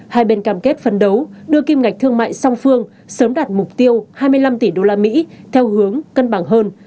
hai bên cam kết phấn đấu đưa kim ngạch thương mại song phương sớm đạt mục tiêu hai mươi năm tỷ usd theo hướng cân bằng hơn